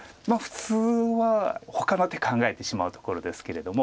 普通はほかの手考えてしまうところですけれども。